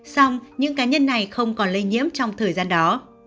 xong những cá nhân này không còn lây nhiễm trong thời gian đó